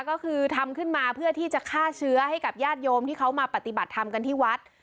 ก็คือทำขึ้นมาเพื่อที่จะฆ่าเชื้อให้กับญาติโยมที่เขามาปฏิบัติธรรมกันที่วัด